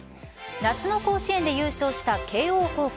夏の甲子園で優勝した慶応高校。